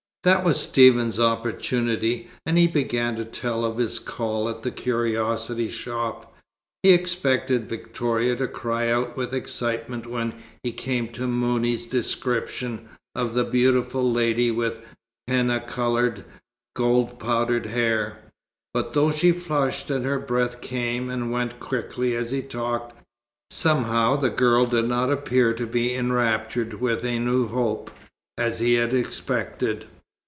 That was Stephen's opportunity, and he began to tell of his call at the curiosity shop. He expected Victoria to cry out with excitement when he came to Mouni's description of the beautiful lady with "henna coloured, gold powdered hair"; but though she flushed and her breath came and went quickly as he talked, somehow the girl did not appear to be enraptured with a new hope, as he had expected.